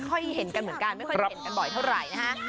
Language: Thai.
เห็นกันเหมือนกันไม่ค่อยเห็นกันบ่อยเท่าไหร่นะฮะ